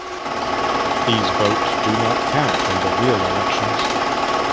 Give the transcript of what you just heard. These votes do not count in the real elections.